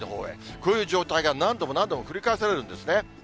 こういう状態が何度も何度も繰り返されるんですね。